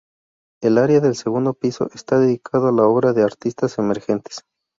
El área del segundo piso está dedicado a la obra de artistas emergentes.